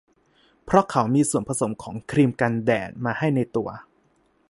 เพราะเขามีส่วนผสมของครีมกันแดดมาให้ในตัว